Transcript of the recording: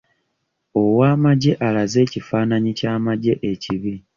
Ow'amagye alaze ekifaananyi ky'amagye ekibi.